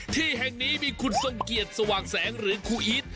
ที่แห่งนี้มีคุณทรงเกียจสว่างแสงหรือครูอีท